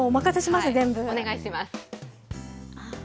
お願いします。